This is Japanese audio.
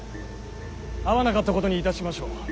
会わなかったことにいたしましょう。